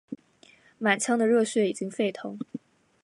满腔的热血已经沸腾，